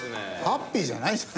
ハッピーじゃないでしょ。